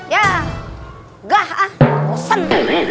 ya gah ah ruseng